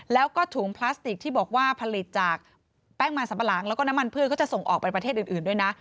แล้วก็ถุงพลาสติกที่บอกว่าผลิตจากแป้งมันสัมปะหลังแล้วก็น้ำมันพืชก็จะส่งออกไปประเทศอื่นด้วยนะ